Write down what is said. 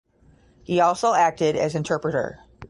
He also acted as interpreter.